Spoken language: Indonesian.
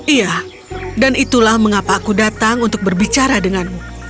iya dan itulah mengapa aku datang untuk berbicara denganmu